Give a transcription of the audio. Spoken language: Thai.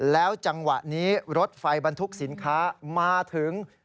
แล้วจังหวะนี้รถไฟบรรทุกสินค้ามาถึง